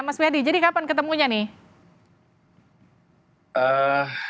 mas wi hadi jadi kapan ketemunya nih